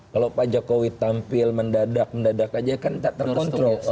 kalau pak jokowi tampil mendadak mendadak aja kan tak terkontrol